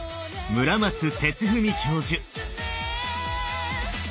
村松哲文教授。